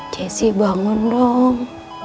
jessy bangun dong